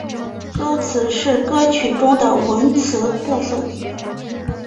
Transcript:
歌词是歌曲中的文词部分。